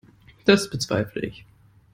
Das bezweifle ich.